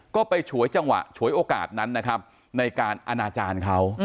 ก็ไปฉวยจังหวะฉวยโอกาสนั้นนะครับในการอนาจารย์เขา